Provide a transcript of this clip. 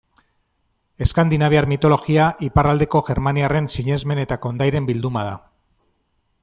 Eskandinaviar mitologia iparraldeko germaniarren sinesmen eta kondairen bilduma da.